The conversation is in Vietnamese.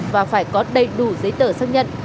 và phải có đầy đủ giấy tờ xác nhận